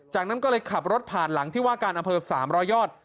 จากนั้นก็เลยขับรถผ่านหลังที่ว่าการอำเภอ๓๐๐ยอด